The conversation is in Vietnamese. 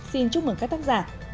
xin chúc mừng các tác giả